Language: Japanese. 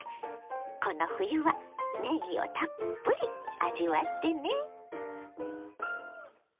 この冬はねぎをたっぷり味わってね！